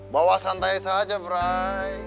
bawa santai saja bri